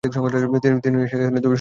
তিনি এসানে স্টুডিওজের সাথে যুক্ত হন।